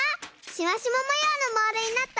シマシマもようのモールになった！